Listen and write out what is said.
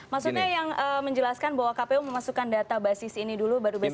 maksudnya yang menjelaskan bahwa kpu memasukkan data basis ini dulu baru basis